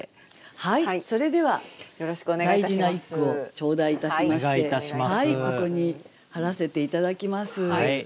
はいそれでは大事な一句を頂戴いたしましてここに貼らせて頂きます。